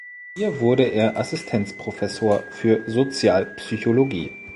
Hier wurde er Assistenzprofessor für Sozialpsychologie.